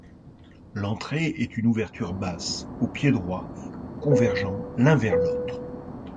L’entrée est une ouverture basse, aux piédroits convergeant l’un vers l’autre.